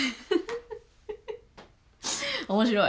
面白い。